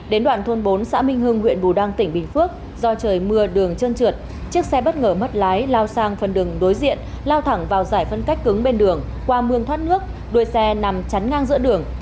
đến đoạn thôn bốn xã minh hưng huyện bù đăng tỉnh bình phước do trời mưa đường trơn trượt chiếc xe bất ngờ mất lái lao sang phần đường đối diện lao thẳng vào giải phân cách cứng bên đường qua mương thoát nước đuôi xe nằm chắn ngang giữa đường